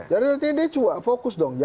jadi nanti dia fokus dong